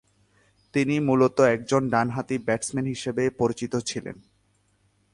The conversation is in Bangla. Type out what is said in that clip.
তিনি মূলত একজন ডান-হাতি ব্যাটসম্যান হিসেবে পরিচিত ছিলেন।